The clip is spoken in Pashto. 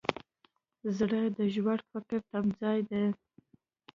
زړه د ژور فکر تمځای دی.